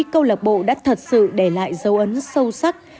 câu lạc bộ đã thật sự để lại dấu ấn sâu sắc